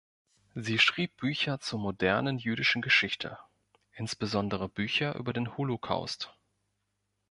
Sie schrieb Bücher zur modernen jüdischen Geschichte, insbesondere Bücher über den Holocaust.